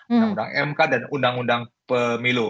undang undang mk dan undang undang pemilu